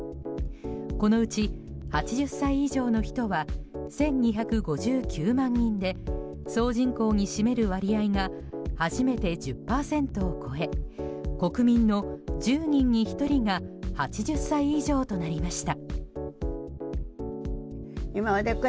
このうち、８０歳以上の人は１２５９万人で総人口に占める割合が初めて１０％を超え国民の１０人に１人が８０歳以上となりました。